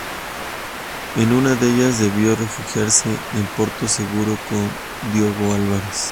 En una de ellas debió refugiarse en Porto Seguro, con Diogo Álvares.